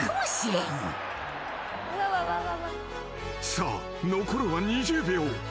［さあ残るは２０秒］